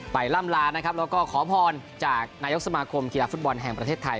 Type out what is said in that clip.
ล่ำลานะครับแล้วก็ขอพรจากนายกสมาคมกีฬาฟุตบอลแห่งประเทศไทย